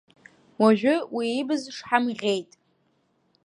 Уажәы уи ибз шҳам ӷьеит.